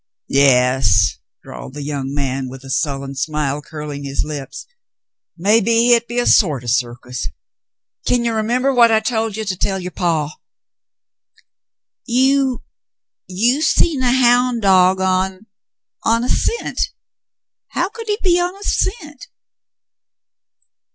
"Yas," drawled the young man, with a sullen smile curling his lips, "may be hit be a sort of a circus. Kin ye remember what I tol' you to tell yer paw .^" "You — you seen a houn' dog on — on a cent — how could he be on a cent